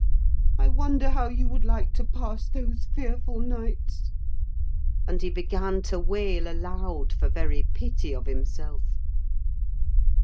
I wonder how you would like to pass those fearful nights!" And he began to wail aloud, for very pity of himself.